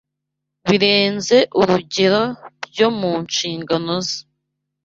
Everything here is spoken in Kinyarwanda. birenze urugero byo mu nshingano ze